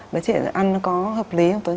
đứa trẻ ăn nó có hợp lý không tôi